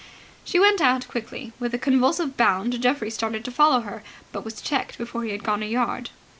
She went out quickly. With a convulsive bound Geoffrey started to follow her, but was checked before he had gone a yard.